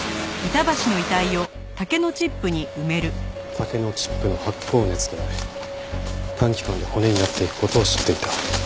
竹のチップの発酵熱で短期間で骨になっていく事を知っていた。